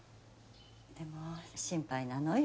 でも心配なのよ。